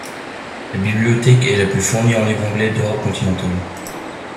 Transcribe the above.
La bibliothèque est la plus fournie en livres anglais d'Europe continentale.